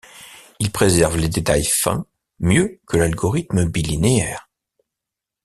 Il préserve les détails fins mieux que l'algorithme bilinéaire.